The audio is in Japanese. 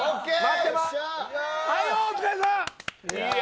はい、お疲れさん。